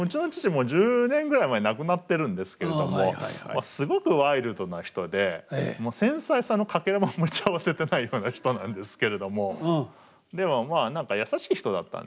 もう１０年ぐらい前に亡くなってるんですけれどもすごくワイルドな人で繊細さのかけらも持ち合わせてないような人なんですけれどもでもまあ優しい人だったんですよね。